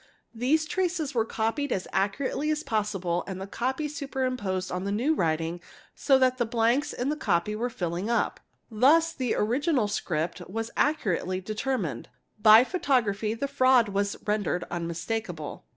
These traces were copied — as accurately as possible and the copy superimposed on the new writing so that the blanks in the copy were filled up. Thus the original seript was accurately determined. By photography the fraud was rendered unmistakeable.